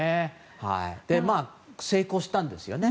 で、成功したんですね。